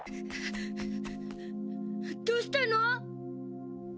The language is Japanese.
どうしたの？